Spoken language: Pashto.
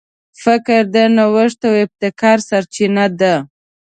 فکر د نوښت او ابتکار سرچینه ده.